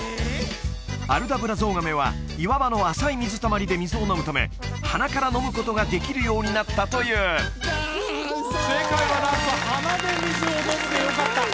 アルダブラゾウガメは岩場の浅い水たまりで水を飲むため鼻から飲むことができるようになったという正解はなんと「鼻で水を飲む」でよかった！